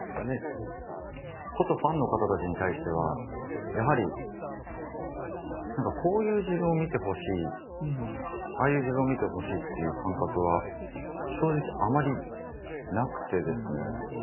ことファンの方たちに対してはやはり何かこういう自分を見てほしいああいう自分を見てほしいっていう感覚は正直あまりなくてですね。